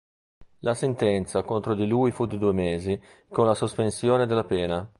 La sentenza contro di lui fu di due mesi con la sospensione della pena.